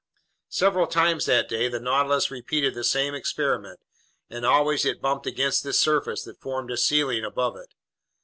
Several times that day, the Nautilus repeated the same experiment and always it bumped against this surface that formed a ceiling above it.